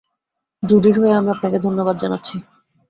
জুডির হয়ে আমি আপনাকে ধন্যবাদ জানাচ্ছি।